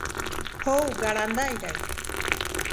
هو، ګړندی دی